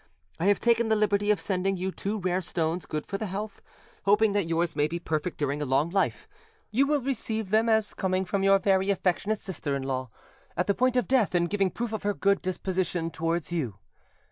I have taken the liberty of sending you two rare stones good for the health, hoping that yours may be perfect during a long life; you will receive them as coming from your very affectionate sister in law, at the point of death and giving proof of her, good disposition towards you.